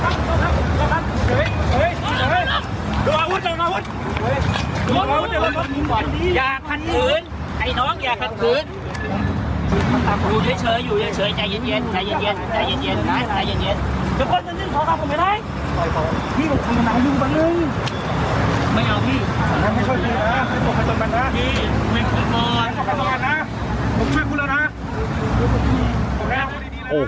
จับไว้ลุกลุกลุกลุกลุกลุกลุกลุกลุกลุกลุกลุกลุกลุกลุกลุก